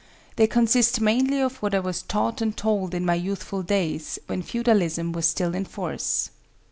They consist mainly of what I was taught and told in my youthful days, when Feudalism was still in force.